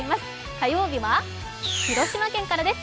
火曜日は広島県からです。